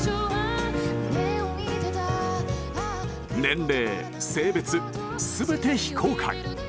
年齢性別全て非公開。